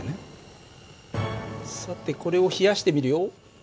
さてこれを冷やしてみるよ。